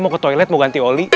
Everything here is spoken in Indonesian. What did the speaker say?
mau ke toilet mau ganti oli